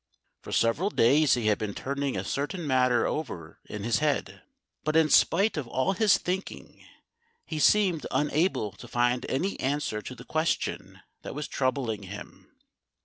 For several days he had been turning a certain matter over in his head. But in spite of all his thinking, he seemed unable to find any answer to the question that was troubling him.